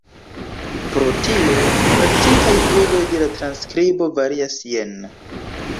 Pro tio, praktikaj uzoj de la transskribo varias jene.